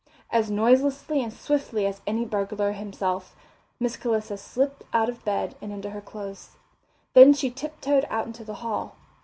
As noiselessly and swiftly as any burglar himself, Miss Calista slipped out of bed and into her clothes. Then she tip toed out into the hall.